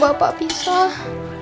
susah bapak pisah